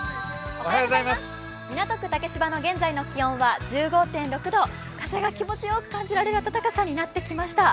港区竹芝の現在の気温は１５．６度、風が気持ちよく感じられる暖かさになってきました。